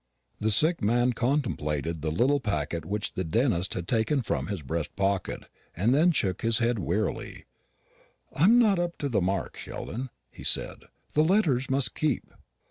The sick man contemplated the little packet which the dentist had taken from his breast pocket; and then shook his head wearily. "I'm not up to the mark, Sheldon," he said; "the letters must keep."